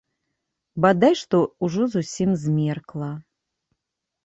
Бадай што ўжо зусім змеркла.